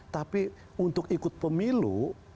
tapi untuk ikut pemilu